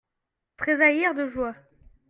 Trésaillir de joie.